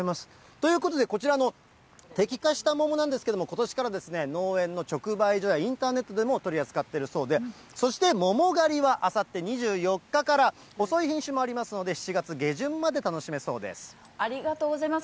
ということで、こちらの摘果した桃なんですけれども、ことしからですね、農園の直売所やインターネットでも取り扱っているそうで、そして桃狩りはあさって２４日から、遅い品種もありますので、ありがとうございます。